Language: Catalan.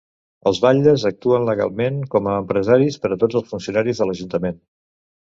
Els batlles actuen legalment com a empresaris per a tots els funcionaris de l'ajuntament.